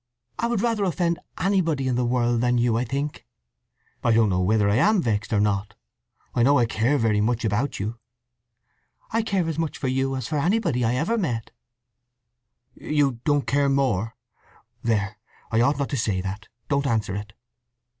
"I would rather offend anybody in the world than you, I think!" "I don't know whether I am vexed or not. I know I care very much about you!" "I care as much for you as for anybody I ever met." "You don't care more! There, I ought not to say that. Don't answer it!"